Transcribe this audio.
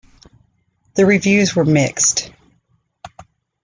The reviews were mixed.